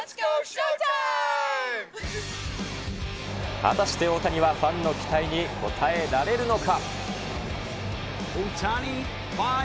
果たして大谷はファンの期待に応えられるのか。